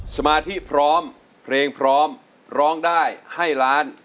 สมาธิพร้อมเพลงพร้อมร้องได้ให้ล้าน